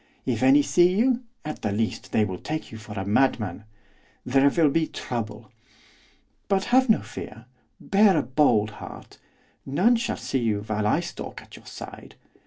If any see you, at the least they will take you for a madman; there will be trouble. But have no fear; bear a bold heart. None shall see you while I stalk at your side.